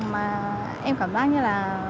mà em cảm giác như là